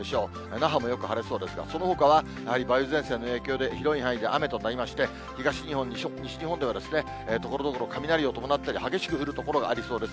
那覇もよく晴れそうですが、そのほかはやはり梅雨前線の影響で、広い範囲で雨となりまして、東日本、西日本ではところどころ雷を伴ったり、激しく降る所がありそうです。